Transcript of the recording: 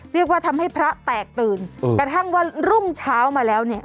เรียกว่าทำให้พระแตกตื่นกระทั่งวันรุ่งเช้ามาแล้วเนี่ย